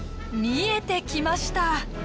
見えてきました。